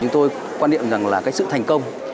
chúng tôi quan niệm rằng sự thành công